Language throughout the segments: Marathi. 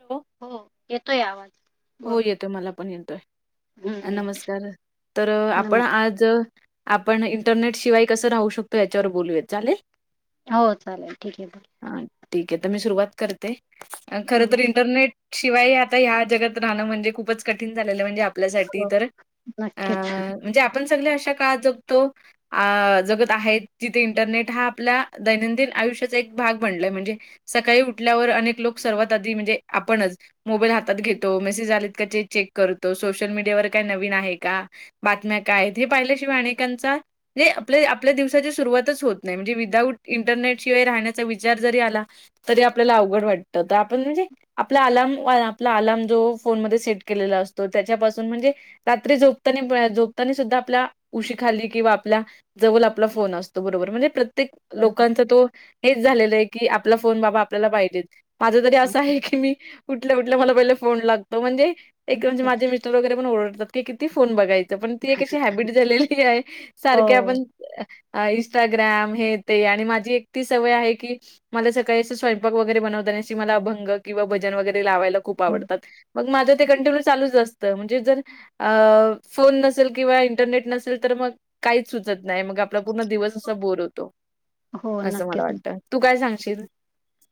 हॅलो. हो येतोय आवाज. बोल हो येतोय मला पण येतोय हम्म हम्म नमस्कार तर आपण नमस् आज, आपण इंटरनेट शिवाय कसं राहू शकतो याच्यावर बोलूयात चालेल. हो चालेल ठीक आहे. हा ठीक आहे तर मी सुरुवात करते खर हम्म तर इंटरनेट शिवाय आता ह्या जगात रान म्हणजे खूपच कठीण झालेल म्हणे हो आपल्या नक्कीच म्हणजे आप पण सगळे अशा काळात जगतो. अ जगत आहेत जिथे इंटरनेट हा आपला दैनंदिन आयुष्याचा एक भाग बनलाय म्हणजे, सकाळी उठल्यावर अनेक लोक सर्वात आधी म्हणजे आपणच मोबाईल हातात घेत तो मेसेज आलेत का चेक करतो सोशल मीडियावर काय नवीन आहे का. बातम्या काय आहेत हे पाहिल्याशिवाय अनेकांचा. े आपल्या आपल्या दिवसाची सुरुवातच होत नाही म्हणजे विदाऊट इंटरनेटशिवाय राहण्याचा विचार जरी आला. तरी आपल्याला अवघड वाटत आपण म्हणजे आपला आलाम आपला आलाम जो फोन मध्ये सेट केलेला असतो त्याच्यापासून म्हणजे, रात्री झोपतानी झोपतानी सुद्धा आपल्या उशी खाली किंवा आपल्या, जवळ आपला फोन असतो बरोबर म्हणजे प्रत्येक बरोबर लोकांचा तो. हेच झालेलं आहे की आपला फोन बाबा आपल्याला पाहिजेेत माझं तरी असं आहे की मी उठलं उठलं मला पहिलं फो फोन लागतो म्हणजे एक म्हणे माझे नक्कीच. मिस्टर वगैरे पण ओडतात की किती फोन बघायच. पण ती एक अशी हॅबिट झालेली आहे सारखे हो. आपण इंस्टाग्राम हे ते आणि माझी एक ती सवय आहे की, मला सकाळी अस स्वयंपाक वगैरे बनवताण्या मला भंग किंवा भजन वगैरे लावायला खूप आवडतं. मग माझं ते कंटिन्यू चालूच असतं म्हणजे जर, अ फोन नसेल किंवा इंटरनेट नसेल तर मग काहीच सुचत नाही मग. आपला पूर्ण दिवस असा बोर होतो हो असं मला नक्कीच. वाटतं तू काय सांगशील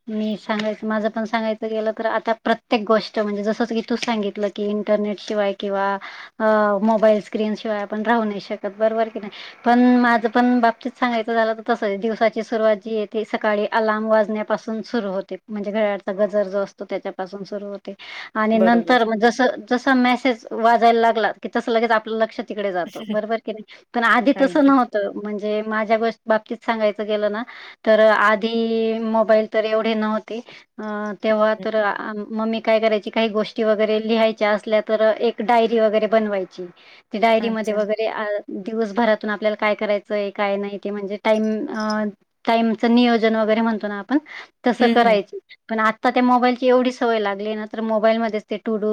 मी सांगायचं माझं पण सांगायचं गलं तर आता प्रत्येक गोष्ट म्हणजे जसंच की तू सांगितलं कि इंटरनेट शिवाय किंवा मोबाईल स्क्रीन शिवाय आपण राहू नाही शकत बरोबर कि नाही पण माझं पण बाबतीत सांगायचं झालं तर तस दिवसाची सुरुवात जी आहे त सकाळी अलाारम वाजण्या सुरू होते म्हणजे घचा गजर जो असतो त्याच्यापासून सुरू होते आणि बरोबर. नंतर मग जस जस मेसेज वाजायला लागला की तसं लगेच आपलं लक्षात तिकडे जातो बरोबर की नाही पण आधी तसं अगदीच. नव्हतं म्हणजे माझ्या गोष्ट बाबतीत सांगायचं गेलं ना तर आधी ल तर एवढे नव्हते तेव्हा हं, तर मममी काय करायची काही गोष्ट व लि अस डायरी वर बवा डायरी अच्छा. दिवसभरातून आपल्याला काय करायचंय काय नाही ते म्हणजे टाइम टाईमच नियोजन वगैरे म्हणतो ना आपण तसं हं, हं. करायच पण आत्ता ते मोबाईलची एवढी सवय लागली ना तर मोबाईल मच ते टूडू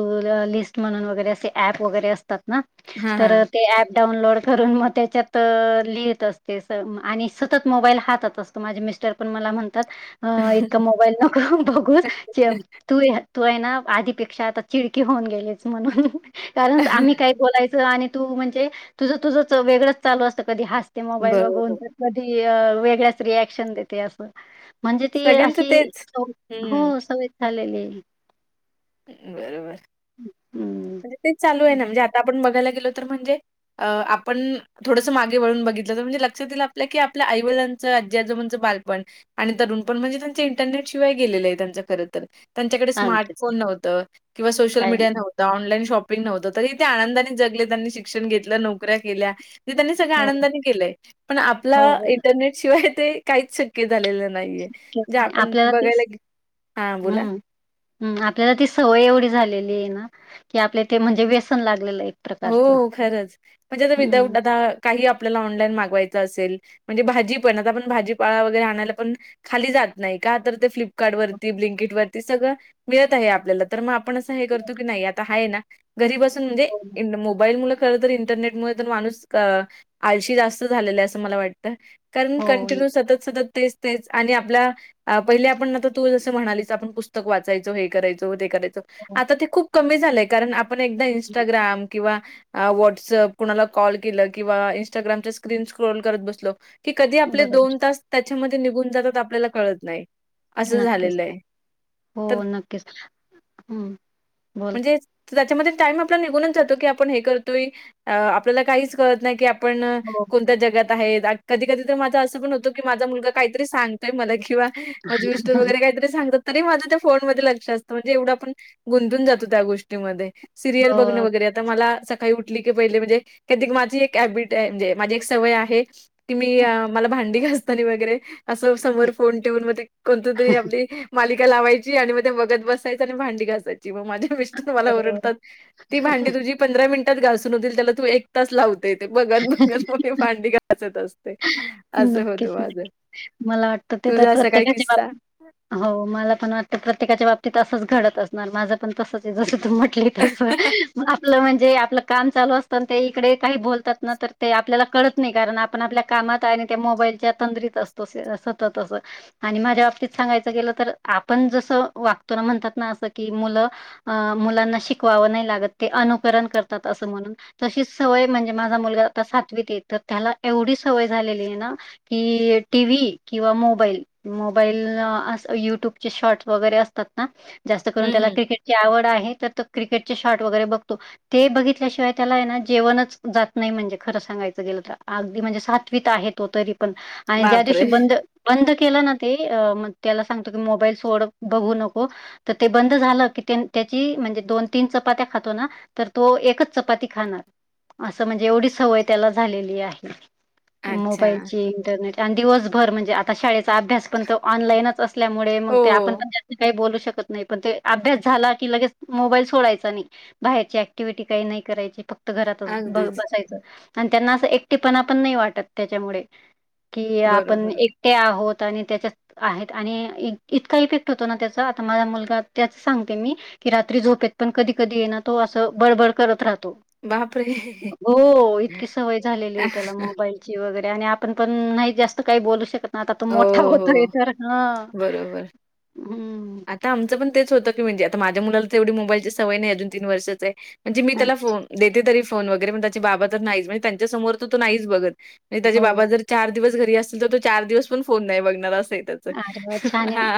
लिस्ट म्हणून वगैरे असे प वगैरे असतात ना हां, तर हां. ते अऍप डाउनलोड करून मग त्याच्यात लिहित असते आणि सतत मोबाईल हातात असते माझे मिस्टर पण मला म्हणतात इतका मोबाईल नक बघू तू तू आहे ना आधीपेक्षा आता चिडकी होऊन गेलेच म्हणून कारण आम्ही काही बोलायचं आणि तू म्हणजे तुझं तुझं वेगळंच चालू असतं कधी हत ते मोबाईल बघवून बरोबर. तर कधी वेगळ्याच रियाक्शन देते असं म्हणजे ती सगळ्यांचं अशी तेच. स हो हं, सवय झालेली आहे बरोबर म्हणज तेच चालू आहे ना म्हणजे आता आपण बघायला गेलो तर म्हणजे अ आपण, थोडंसं मागे वळून बघितलं तर म्हणजे लक्षातईलं आपल्या की आपल्या आई वडलांचंजी आजं म्हणचं बालपण आणि तरुण पण म्हणजे त्यांच इंटरनेट शिवाय गेलेले आहे त्यांं खर तर त्यांच्याकडे अगदी स्मार्टोन नव्हत किंवा सोशल काय मीडिया नव्हतं. ऑनलाईन शॉपिंग नव्हत तरी तेे आनंदाने जगले त्यांनी शिक्षण घेतलं नोकऱ्या केल्या ज त्यांनी सगळ हो आनंदाने केलंय पण आपला हो हो इंटरनेट शिवाय ते काहीच शक्य क्य झालेलं नाहीये जे तेच आपण आपल्याला तीच बघायला हा बोला. हम आपल्याला ती सवय एवढी झालेली आहे ना की आपल्या ते म्हणजे व्यसन लागलेलं आहे. प्रकारचं हो खरंच म्हणजे आता हम्म विदाऊट आता काही आपल्याला ऑनलाईन मागवायचं असेल. म्हणजे भाजी पण आता आपण भाजीपाळा वगैरे आणायला पण खाली जात नाही का ते फ्लप कार्ड हो वरती ब् लिंकिट वरती सगळं मिळत आहे आपल्याला तर मग आपण असं हे करतो की नाही आता आहे ना घरीबासून म्हणजे. मोबाईल मु खर तर इंटरनेट मु तर माणूस आळशी जास्त झालेला आहे असं मला वाटत. कारण हो. हो कंटिन्यू सतत सतत. तेच तेच आणि आपला पहिले आपण आता तू जस म्हणालीच आपण पुस्तक वाचायचो हे करायचो ते करायचो हो. आता ते खूप कमी झालय कारण आपण एकदा इंस्टाग्राम किंवा व्हॉटसअप कुणाला कॉल केलं किंवा इंस्टाग्रामच्या स्क्रीन स्क्रोल करत बसलो की कधी आपले बरोबर दोन तास त्याच्यामध्ये निघून जातात आपल्याला कळत नाही असं नक्कीच झालेलं आहे. हो तर नक्कीच हम बोल. तर त्याच्यामध्ये टाइम आपला निघूनच जातो की आपण हे करतोय आपल्याला काहीच कळत नाही की आप पण हो कोणत्या जगात आहेत कधी कधी तर माझा असं पण होतो की माझा मुलगा काहीतरी सांगतोय मला किंवा माझे विस्तर वगैरे काहीतरी सांगत. तरी माझं त्या फोन मध्ये लक्ष असतं म्हणजे एवढं आपण गुंतून जातो त्या गोष्टीमध्ये सिरयल हो बघण वगैर यात आता मला सकाळी उठली की पहिले म्हणजे क त माझी एक हॅबिट आहे म्हणजे माझी एक सवय आहे. कि मी मला भांडी घाासता वगैरे असं समोर फोन टेवून मध्ये कोणत तरी आपली मालिका लावायची आणि मग ते बगत बसायच आणि भांडी घासायची मग माझ्या मिस्टर मला बरोबर. ओडतात ती भांडी तुझी पंधरा मिनिटात घासून होतील त्याला तू एक तास लाव ते ते बघत बघत मी भांडी घासत असते. असं होतं नक्कीच माझं मला वाटत ते तर तुझा असा काही प्रत्येकाची किस्सा बाब हो मला पण वाटतं प्रत्येकाच्या बाबतीत असंच घडत असणार माझं पण तसच ए जस तू म्हटली तस मग आपलं म्हणजे आपलं काम चालू असत ते इकडे काही बोलतात ना तर ते आपल्याला कळत नाही कारण आपण आपल्या कामात आणि त्या मोबाईलच्या तंदरीत असतो असे सतत अस आणि माझ्या बाबतीत सांगायचं गेलं तर आपण जसं वागतो ना म्हणतात ना असं की मुलं अ मुलांना शिकवावं नाही लागत ते अनुकरण करतात असं म्हणून तशी सवय म्हणजे माझा मुलगा आता सातवीत ये तर त्याला एवढी सवय झालेली ए ना. कि टी व्ही किंवा मोबाईल मोबाईल अस युट्यूबचे शॉट वगैरे असतात ना जास्त करून हं, त्याला हं. क्रिकेट ची आवड आहे तर तो क्रिकेटचे शॉट वगैरे बघतो. ते बघितल्याशिवाय त्याला एना जेवणच जात नाही म्हणजे खरं सांगायचं गेलं तर अगदी म्हणजे स आठवीत आहे तो तरी पण आणि ज्या बापरे! दिवशी बंद बंद केला ना ते अ म त्याला सांगतो की मोबाईल सोड बघू नको तर ते बंद झालं की त्यान त्याची म्हणजे दोन तीन चपात्या खातो ना तर तो एकच चपाती खाणार असं म्हणजे एवढी सवय त्याला झालेली आहे. अच्छा. मोबाईलची इंटरनेट आणि दिवसभर म्हणजे आ आता शाळेचा अभ्यास पण त ऑनलाईनच असल्यामुळे मग हो, ते आपण पण जास्त काही बोलू शकत नाही पण ते अभ्यास झाला की लगेच मोबाईल सोडायचा नाही बाहेरची ऍक्टिव्हटी काही नाही करायची फक्त फक्त घरातच ब अगदीच. बसायचं आणि त्यांना असं एकटेपणा पण नाही वाटत त्याच्यामुळे. कि आपण बरोबर. एकटे आहोत आणि त्याच्यात आहेत आणि इत इतका इफेक्ट होतो ना त्याचा आता माझा मुलगा त्याच सांगते मी की रात्री झोपेत पण कधी कधी ये ना तो असं बडबड करत राहतो बापरे! हो इतकी सवय झालेली ए त्याला मोबाईल ची वगैरे आणि आपण पण नाही जास्त काही बोलू शकत आता तो हो, मोठ्ठा होतोय हो. तर हा बरोबर. हम्म आता आमचं पण तेच होत की म्हणजे आता माझ्या मुला तेवढ मोबाईलची सवय नाही अजून तीन वर्षाचा ए म्हणजे मी त्याला अच्छा. फोन देते तरी फोन वगैरे पण त्याचे बाबा तर नाहीच म्हणजे त्यांच्या समोर तर तो नाहीच बघत म्हणजे त्याजे हो. बाबा जर चार दिवस घरी असतील तर तो चार दिवस पण फोन नाही बघणार अस ए त्याच अरे वाह! छान आहे. हा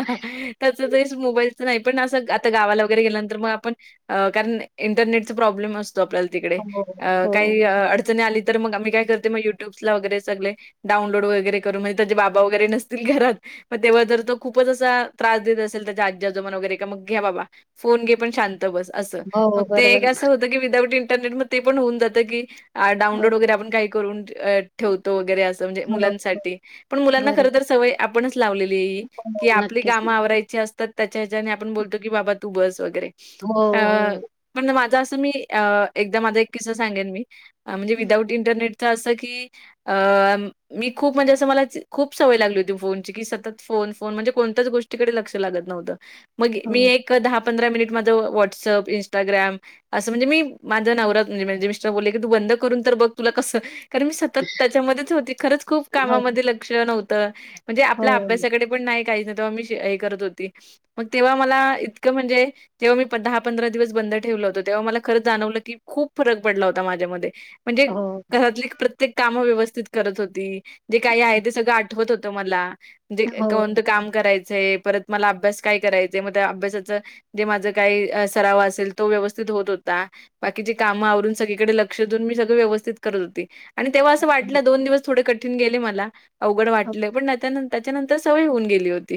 त्याच ते मोबाईलच नाही पण असं आता गावाला वगैरे गेल्यानंतर म आपण अ कारण इंटरनेटचा प्रॉब्लेम असतो आपल्याला तिकडे हो, अ हो. काही अडचण नाय आली तर मग आमी काय करते मग युट्यब्स ला वगरे सगले डाउनलोड वगैरे करून म्हणजे त्याचे बाबा वगैरे नसतील घरात मग तेव्हा तर तो खूपच असा त्रास देत असेल त्याच्या आज्जी आजोबांना वगैरे का मग घ्या बाबा फोन घे पण शांत शांत बस असं मग हो, ते बरोबर. असं होत की विदाऊट इंटरनेट म ते पण होऊन जात की हा हो, डाऊनलोड वगैरे आपण काही करून अ ठेवतो वगैरे अस म्हणजे हो. मुलांन साठी पण मुलांना बरं. खरतर सवय आपणच लावलेली आहे हो, ही आपली नक्कीच. आवरायचे असतात त्याच्या ह्याच्याने आपण बोलतो की बाबा तू बस वगैरे हो अ हो पण माझा असं मी अ एकदा माझा एक किस्सा सांगेन मी म्हणजे विदाऊट इंटरनेट तर आस की अ मी खूप म्हणजे असं मला खूप सवय लागली होती फोनची की सतत फोन फोन म्हणजे कोण त्याच गोष्टीकडे लक्ष लागत नव्हत मग हो, मी एक दहा पंधरा मिनिट माझं व्हॉट्सअप इंस्टाग्राम असं म्हणजे मी माझ्या नवरा म्हणजे मिस्टर बोलले की तू बंद करून तर बघ तुला कसं कारण मी सतत त्याच्यामध्येच होती खरंच खूप हो, कामामध्ये लक्ष नव्हतं म्हणजे हो, आपल्या अभ्यासाकडे पण नाही काहीच तेव्हा मी हे करत होती मग तेव्हा मला इतकं म्हणजे तेव्हा मी पंध दहा पंधरा दिवस बंद ठेवलं होतं तेव्हा मला खरंच जाणवलं की खूप फरक पडला होता माझ्या मध्ये म्हणजे हो. घरातली प्रत्येक कामं व्यवस्थित करत होती जे काही आहे ते अच्छा. सगळं आठवत होतं मलाजे हो, कोणतं काम करायचंय परत मला अभ्यास काय करायचं मग त्या अभ्यासाच जे माझ काही सराव असेल तो व्यवस्थित होत होता बाकीची काम आवरून सगळीकडे लक्ष देऊन मी सगळ व्यवस्थित करत होते आणि तेव्हा असं वाटलं दोन दिवस थोडे कठीण गेले मला अवघड हो. वाटले पण त्यानंतर त्याच्यानंतर सवय होऊन गेली होती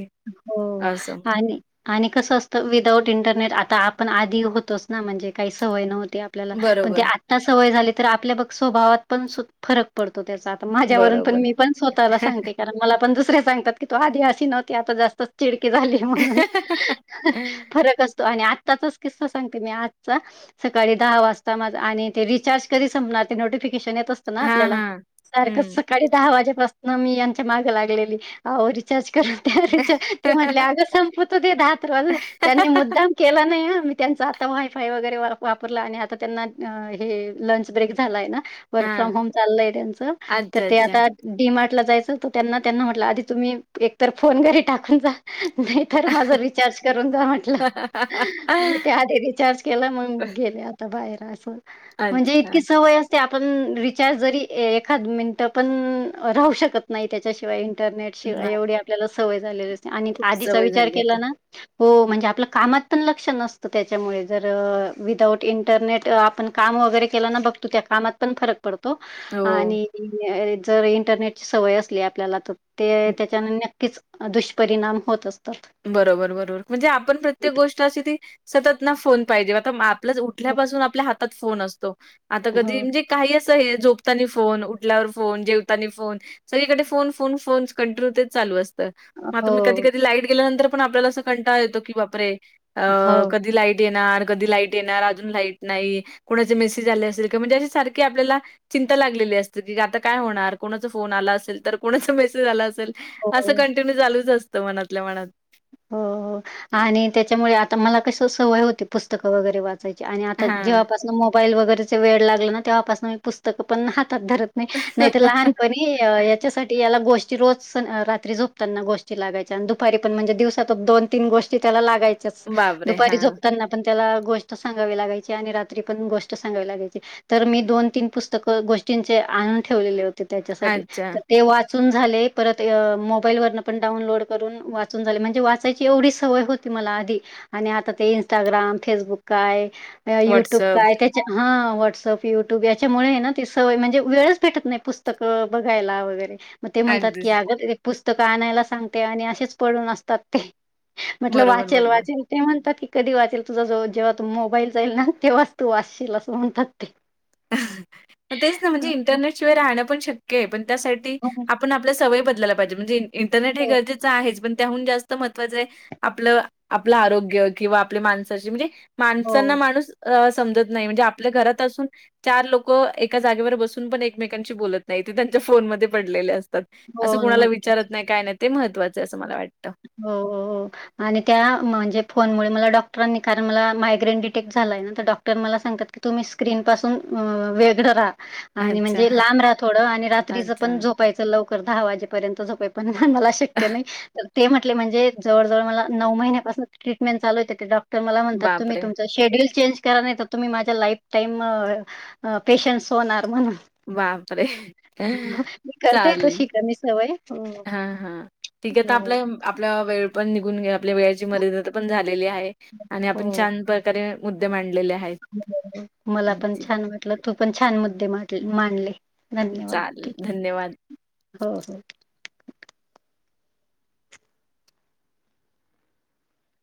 हो असं. आणि आणि कसं असतं विदाउट इंटरनेट आता आपण आधी होतोच ना म्हणजे काही सवय नव्हती ला पण ते बरोबर. आत्ता सवय झाली तर आपल्या बघ स्वभावात पण फरक पडतो त्याचा माझ्यावरून पण बरोबर. मी पण स्वतःला सांते कारण मला पण दुसरे सांगतात की तू आधी अशी नव्हत त आता जास्त चिडकी झाली म्हणून फरक असतो आणि आत्ताचाच किस्सा सांगते मी आजचा सकाळी दहा वाजता माझ आणि ते रिचार्ज करी संपणार ते नोटिफिकेशन येत असतं ना हां, आपल्याला हां. सारखं हं. सकाळी दहा वाजेपासून मी यांच्या मागं लागलेली अह रिचार्ज कर ते म्हटले अग संप तेात त्यांनी मुद्दाम केला नाही मी त्यांच आता वायफाय वगैरेर वापरला आणि आता त्यांना हे लंच ब्रेक झालाय ना वर्क हां. फ्रॉम होम चाललय त्यांचं तर अच्छा, ते अच्छा. आता डी मार्ट ला जायचं त त्यांना त्यांना म्हटलं आधी तुम्ही एकतर फोन घरी टाकून जा मी तर माझं रिचार्ज करून जा म्हटलं मग त्याआधी रिचार्ज केला मग गेले बाहेर् अस, म्हणजे अच्छा. इतकी सवय अस ते आपण रिचार्ज जरी, एखाद मिनिटं पण राहू शकत नाही त्याच्याशिवाय इंटरनेट शिवाय, नाही, एवढी आपल्याला सवय झालेली असते, आणि खूप आधीचा सवय विचार झाली केला आता. ना हो, आपल कामात पण लक्ष नसतं त्याच्यामुळे, विदआउट इंटरनेट आप काम वगैरे केला ना, बघतो त्या कामात फरक पडतो, हो. जर इंटरनेटची सवय असली आपल्या ते त्याच्याने नक्कीच दुष्परिणाम होत असतात. बरोबर. बरोबर. म्हणजे आपण प्रत्येक गोष्ट अशी ती, सतत ना फोन पाहिजे आता हो, उठल्यापासून आपल्या हातात फोन असतो, आता कधी हो. म्हणजे काही असं, हे झोपतानी फोन, उठल्यावर फोन, जेवतानी फोन सगळीकडे फोन, फोन, फोन, कंन्टिन्युय ते चालू असतात. मग आता, मी कधी हो, कधी लाईट गेल्यानंतर पण आपल्याला असं कंटाळ येतो, की बापरे अ हो, कधी लाईट येणार, कधी लाईट येणार अजून लाईट नाही, कोणाचे मेसज आले असेल, म्हणजे अ सारखे आपल्याला चिंता लागलेली असते, की आता काय होणार, कोणाचा फोन आला असेल, तर कोणाचा मेसेज आला असेल असं हो. कंटिन्यू चालूच असतं, मनातल्या मनात. हो, आणि त्याच्यामुळे आता मला कस सवय होती, पुस्तकं वगैरे वाच आणि आता हां. जेव्हापासून मोबाईल वगैरेचे वेड लागल ना, तेव्हापासन मी पुस्तकं पण हातात धरत नाही, नाही तर लहान पण याच्यासाठी, याला गोष्टी रोज, रात्री झोपताना गोष्टी लागायच्या, आणि दुपारी पण म्हणजे दिवस दोन-तीन गोष्टी त्याला लागाच्याच, बापरे! दुपारी हां. झोपताना पण त्याला गोष्ट सांगावी लागायची, आणि रात्री पण गोष्ट सांगावी लागायची. तर मी दोन तीन पुस्तकं गोष्टींचे आणून ठेवलेले होते त्याच्यांसाठी, अच्छा. ते वाच वाचून झाले, परत मोबाईल वरन पण डऊनलोड करून, वाचून झाले. म्हणज वाचायची एवढी सवय होती मला आधी, आणि आता ते इंस्टाग्राम, फेसबुक काय युट्यूब काय हा, व्हॉट्सअप, युट्यूब, याच्यामुळे ना, ती सवय म्हणजे वेळच भेटत नाही पुस्तकं बघायला वगैरे मग ते म्हणतात की, अगदीच. अगं एक पुस्तकं आणायला सांगते आणि असेच पडून असतात ते म्हटलं, बरोबर, वाचेल, बरोबर. वाचेल. ते म्हणतात की, कधी वाचेल, तुझा जो जेव्हा तू मोबाईल जाईल ना, तेव्हाच तू वाचशील, असं म्हणतात ते. तेच ना, म्हणजे हं, इंटरनेटशिवाय राहण पण शक्य आहे, पण त्यासाठी हं. पण आपल्या सवय बदलायला पाहिजे, म्हणजे इंटरनेट हे हो, हो. गरजेचं आहेच, पण त्याहून जास्त महत्वाचं आहे, आपलं आपलं आरोग्य, किंवा आपल्या माणसाचे, म्हणजे हो, माणसांना हो. माणूस अ समजत नाही, म्हणजे आपल्या घरात असून चार लोक एका जागेवर बसून पण एकमेकांशी बोलत नाही, ते त्यांच्या फोनमध्ये पडलेले अस असं हो, कुणाला नक्की. विचारत नाही, काय नाही, ते महत्त्वाचं आहे असं मला वाटतं. हो. हो. हो. आणि त्या म्हणजे फोनमुळे, मला डॉक्टरांनी कारण मला मायग्रेन डीटेक्ट झालाय ना, डा मला सांगतात की, तुम्ही स्क्रीन पासून वेगळं राहा. आणि अच्छा. म्हणजे लांब राहा थोडं, आणि रात्रीचं पण अच्छा. झोपायचं लवकर, दहा वाजेपर्यंत झोपाय पण मला शक्य नाही. ते म्हटले म्हणजे, जवळजवळ मला नऊ महि्न्यापासून ट्रीटमेंट चालू आहे, ते डॉक्टर मला म्हणतात, तुम्ही बापरे! तुमचे शेड्यूल चेंज करा नाही तर, तुम्ही माझ्या लाईफ टाईम पेशन्स होणार, म्हणून बापरे! मी करतेये तशी करणे, सवय. हा. हा. ठीके तर हो, आपल्या, आपला वेळ पण निघून घे आपल्या वेळेची मर ण झालेली आहे, आणि हो. आपण छान प्रकारे मुद्दे मांडलेले आहेत. मला हं, पण ठीक. छान वाटलं, तू पण छान मुद्दे मांडले. धन्यवाद! चालेल. धन्यवाद. हो, हो.